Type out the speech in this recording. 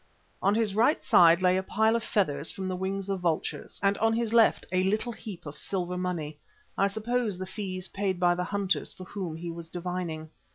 On his right side lay a pile of feathers from the wings of vultures, and on his left a little heap of silver money I suppose the fees paid by the hunters for whom he was divining.